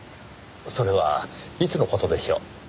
それはいつの事でしょう？